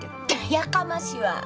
やかましわ！